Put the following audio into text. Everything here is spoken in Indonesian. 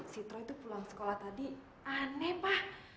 si troy itu pulang sekolah tadi aneh pa